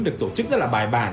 được tổ chức rất là bài bản